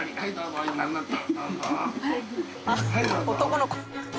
男の子。